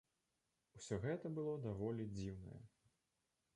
Усё гэта было даволі дзіўнае.